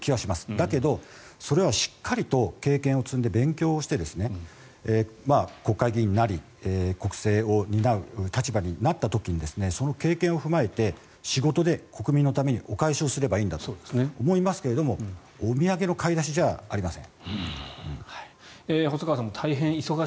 だけど、それはしっかりと経験を積んで、勉強して国会議員になり国政を担う立場になった時にその経験を踏まえて仕事で国民のためにお返しをすればいいんだと思いますがお土産の買い出しじゃありません。